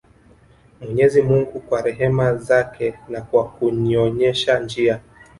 Mwenyezi mungu kwa rehma zake na kwa kunionyesha njia